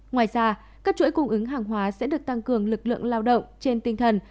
ngoài ra các chuỗi cung ứng hàng hóa sẽ được tăng cường lực lượng lao động trên tinh thần